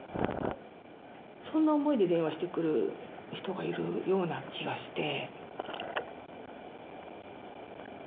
そんな思いで電話してくる人がいるような気がして。